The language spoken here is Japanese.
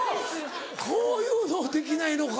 こういうのできないのか。